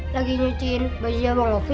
lagi nyuciin bajunya bang hopi